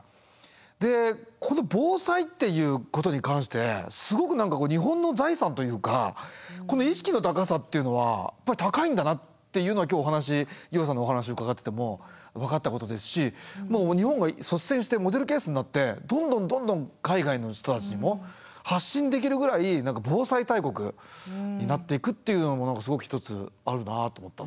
でこの防災っていうことに関してすごく何か日本の財産というかこの意識の高さっていうのは高いんだなっていうのは今日楊さんのお話伺ってても分かったことですし日本が率先してモデルケースになってどんどんどんどん海外の人たちにも発信できるぐらい防災大国になっていくっていうのもすごく一つあるなと思ったんですよね。